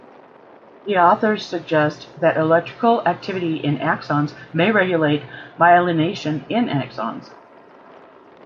The authors suggest that electrical activity in axons may regulate myelination in axons.